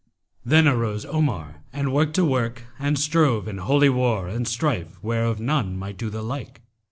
Then arose Omar and worked a work and strove in holy war and strife where of none might do the like.